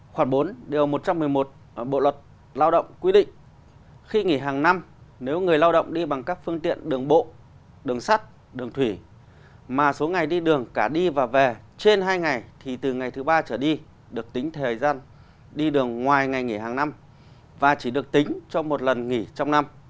khoảng bốn điều một trăm một mươi một bộ luật lao động quy định khi nghỉ hàng năm nếu người lao động đi bằng các phương tiện đường bộ đường sắt đường thủy mà số ngày đi đường cả đi và về trên hai ngày thì từ ngày thứ ba trở đi được tính thời gian đi đường ngoài ngày nghỉ hàng năm và chỉ được tính cho một lần nghỉ trong năm